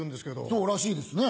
そうらしいですね。